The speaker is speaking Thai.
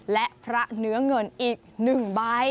และพระเนื้อเงินอีก๑ใบ